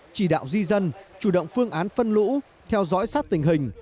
chỉ đạo di dân chủ động phương án phân lũ theo dõi sát tình hình